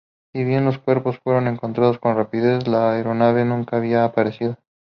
Si bien los cuerpos fueron encontrados con rapidez, la aeronave nunca había aparecido.